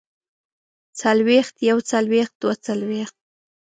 څلوېښت يوڅلوېښت دوه څلوېښت